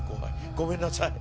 ごめんなさい。